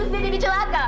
dia jadi celaka